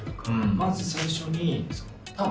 まず最初に多分。